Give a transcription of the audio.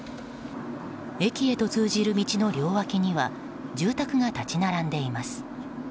駅へと通じる道の両脇には住宅が立ち並んでいます。